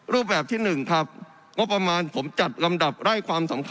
รูปแบบที่๑ครับงบประมาณผมจัดลำดับไร่ความสำคัญ